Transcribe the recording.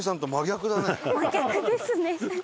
真逆ですね。